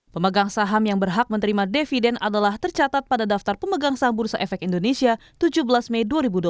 pemegang saham yang berhak menerima dividen adalah tercatat pada daftar pemegang saham bursa efek indonesia tujuh belas mei dua ribu dua puluh